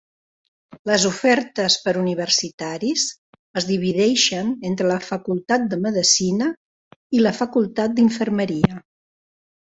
Les ofertes per universitaris es divideixen entre la Facultat de Medecina i la Facultat d'Infermeria.